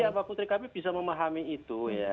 iya pak kutri kami bisa memahami itu ya